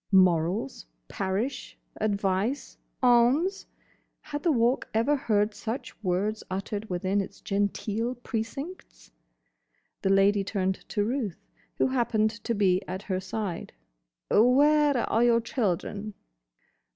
Morals—parish—advice—alms! Had the Walk ever heard such words uttered within its genteel precincts? The Lady turned to Ruth, who happened to be at her side. "Where are your children?"